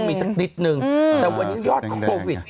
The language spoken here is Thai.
ต้องมีสักนิดหนึ่งอืมแต่วันนี้ยอดคอวิดฮะ